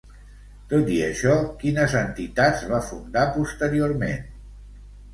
Tot i això, quines entitats va fundar posteriorment?